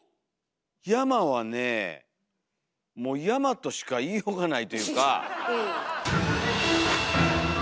山はねもう山としか言いようがないというか。